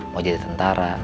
mau jadi tentara